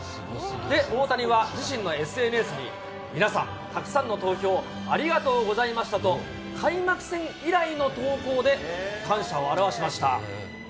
で、大谷は自身のＳＮＳに、皆さん、たくさんの投票ありがとうございましたと、開幕戦以来の投稿で、感謝を表しました。